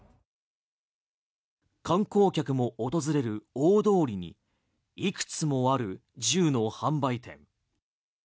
観光客も訪れる大通りにいくつもある銃の販売店。